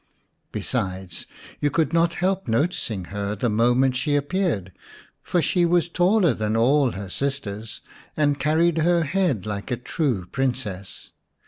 Besides, you could not help noticing her the moment she appeared, for she was taller than all her sisters, and carried her head like a true Princess.